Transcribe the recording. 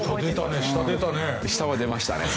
下は出ましたね。